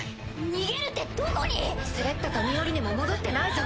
逃げるってどこに⁉スレッタとミオリネも戻ってないぞ。